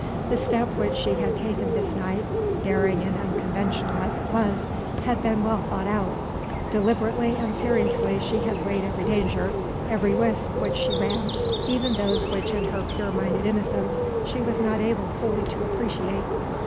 The step which she had taken this night daring and unconventional as it was had been well thought out: deliberately and seriously she had weighed every danger, every risk which she ran, even those which in her pure minded innocence she was not able fully to appreciate.